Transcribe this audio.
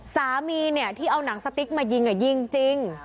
สามีเนี่ยที่เอาหนังสติ๊กมายิงยิงจริง